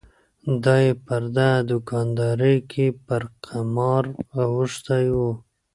دای پر دغه دوکاندارۍ کې پر قمار اوښتی و.